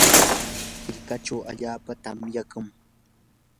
hirkachaw allaapa tamyaykan.